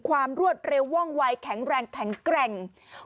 ความรวดเร็วว่องไวแข็งแรงแข็งแกร่ง